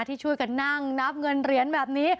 ที่ช่วยกันนั่งนับเงินเหรียญแบบนี้